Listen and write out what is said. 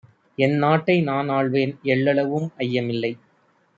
என்நாட்டை நான்ஆள்வேன்! எள்ளளவும் ஐயமில்லை!